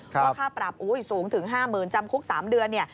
ว่าค่าปรับสูงถึง๕หมื่นจำคุก๓เดือน